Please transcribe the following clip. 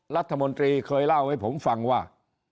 รัฐมนตรีเคยเล่าให้ผมฟังว่า